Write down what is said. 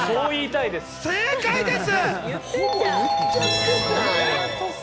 正解です！